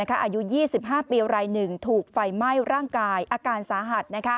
อายุ๒๕ปีรายหนึ่งถูกไฟไหม้ร่างกายอาการสาหัส